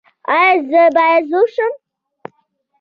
ایا زه باید زوړ شم؟